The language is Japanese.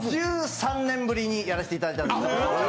１３年ぶりにやらせていただいたので。